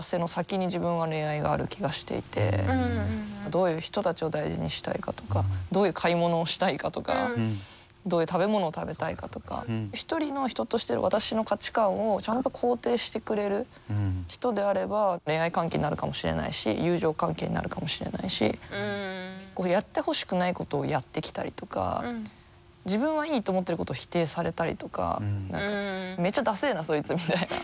どういう人たちを大事にしたいかとかどういう買い物をしたいかとかどういう食べ物を食べたいかとか一人の人として私の価値観をちゃんと肯定してくれる人であれば恋愛関係になるかもしれないし友情関係になるかもしれないしやってほしくないことをやってきたりとか自分はいいと思ってることを否定されたりとか何かめちゃダセえなそいつみたいな。